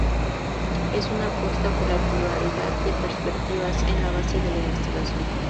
Es una apuesta por la pluralidad de perspectivas en la base de la investigación.